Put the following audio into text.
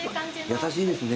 優しいですね。